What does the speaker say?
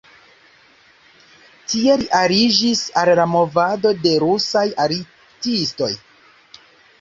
Tie li aliĝis al movado de rusaj artistoj.